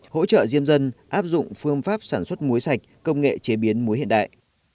hỗ trợ diêm dân áp dụng phương pháp sản xuất muối sạch công nghệ chế biến muối hiện đại